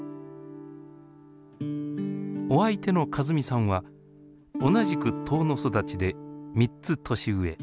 お相手の和美さんは同じく遠野育ちで３つ年上。